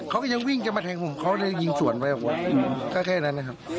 เขาก็ยังวิ่งจะมาแทงผมเขาเลยยิงสวนไปก็แค่นั้นนะครับ